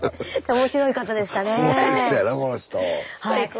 はい！